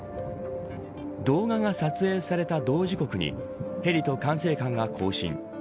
動画が撮影された同時刻にヘリと管制官が交信。